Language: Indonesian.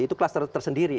itu kluster tersendiri